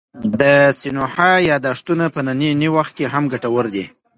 د سینوهه یاداښتونه په ننني وخت کي هم ګټور دي.